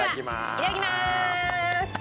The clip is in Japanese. いただきます。